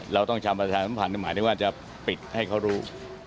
เราต้องทำประชาสัมพันธ์หมายถึงว่าจะปิดให้เขารู้